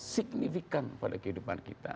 signifikan pada kehidupan kita